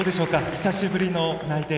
久しぶりの内定。